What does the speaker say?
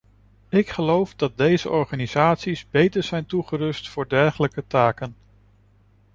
Ik geloof dat deze organisaties beter zijn toegerust voor dergelijke taken.